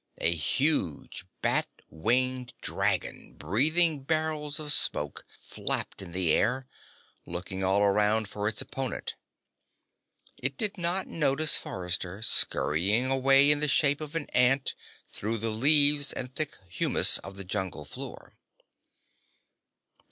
A huge, bat winged dragon, breathing barrels of smoke, flapped in the air, looking all around for its opponent. It did not notice Forrester scurrying away in the shape of an ant through the leaves and thick humus of the jungle floor.